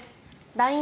ＬＩＮＥ